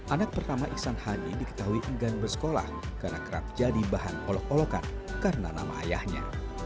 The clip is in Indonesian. anak pertama iksan hadi diketahui enggan bersekolah karena kerap jadi bahan olok olokan karena nama ayahnya